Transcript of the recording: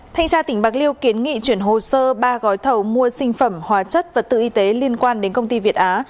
thanh tra tỉnh bạc liêu kiến nghị chuyển hồ sơ ba gói thầu mua sinh phẩm hóa chất vật tư y tế liên quan đến công ty việt á